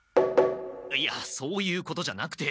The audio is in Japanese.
いやそういうことじゃなくて何だ？